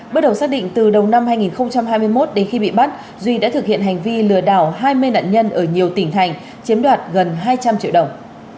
bước đầu xác định từ đầu năm hai nghìn hai mươi một đến khi bị bắt duy đã thực hiện hành vi lừa đảo hai mươi nạn nhân ở nhiều tỉnh thành chiếm đoạt gần hai trăm linh triệu đồng